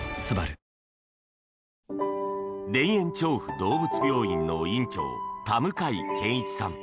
動物病院の院長田向健一さん。